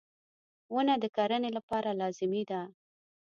• ونه د کرنې لپاره لازمي ده.